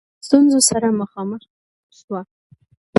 له ستونزو سره مخامخ سوه.